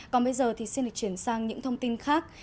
còn bây giờ thì xin được chuyển sang những thông tin khác